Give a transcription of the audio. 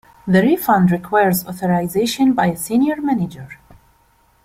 The refund requires authorization by a senior manager.